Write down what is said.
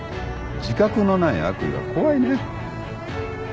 自覚のない悪意は怖いね。